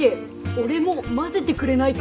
俺もまぜてくれないか？